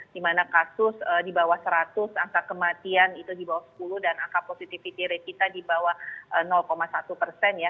dua puluh satu dimana kasus di bawah seratus angka kematian itu di bawah sepuluh dan angka positivity rate kita di bawah satu ya